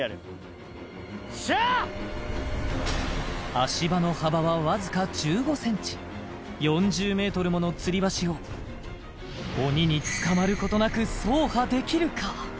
足場の幅はわずか１５ｃｍ４０ｍものつり橋を鬼に捕まることなく走破できるか？